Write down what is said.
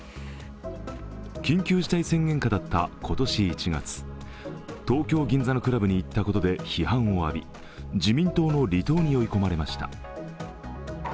緊急事態宣言下だった今年１月東京・銀座のクラブに行ったことで批判を浴び自民党の離党に追い込まれました。